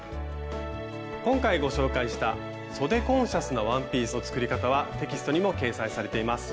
今回ご紹介した「そでコンシャスなワンピース」の作り方はテキストにも掲載されています。